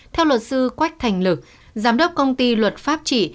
theo luật sư quách thành lực giám đốc công ty luật pháp trị